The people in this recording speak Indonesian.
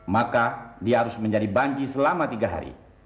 maka dia harus menjadi banci selama tiga hari